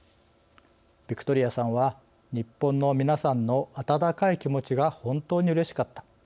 ヴィクトリアさんは「日本の皆さんの温かい気持ちが本当にうれしかった。